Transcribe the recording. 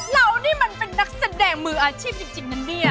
เรานี่มันเป็นนักแสดงมืออาชีพจริงนะเนี่ย